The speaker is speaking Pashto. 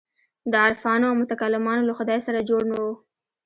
د عارفانو او متکلمانو له خدای سره جوړ نه وو.